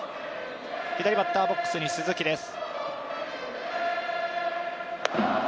左バッターボックスの鈴木です。